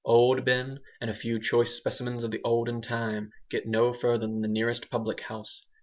Old Ben and a few choice specimens of the olden time get no further than the nearest public house.